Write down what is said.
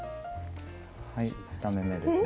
はい２目めですね